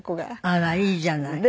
あらいいじゃない。